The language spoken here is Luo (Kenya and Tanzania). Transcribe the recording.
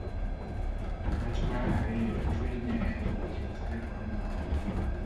Wach mar Ariyo. Dibed ni en nikech ripodno owuon?